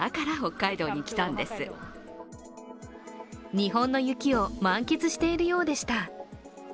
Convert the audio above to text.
日本の雪を満喫しているようでした。